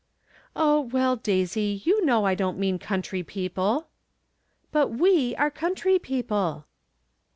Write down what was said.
" Oh, well, Daisy, you Icnow I don't mean country people." " But we are country people."